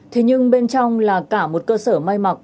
thế nhưng bên trong là cả một cơ sở may mặc